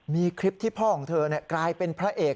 มีคลิปที่พ่อของเธอกลายเป็นพระเอก